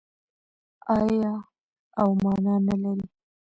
آیا او مانا نلري؟